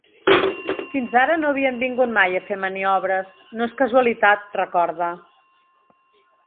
Fins ara no havien vingut mai a fer maniobres; no és casualitat, recorda.